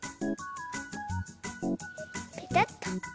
ペタッと。